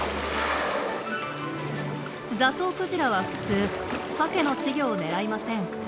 ザトウクジラはふつうサケの稚魚を狙いません。